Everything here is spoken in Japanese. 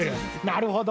なるほど！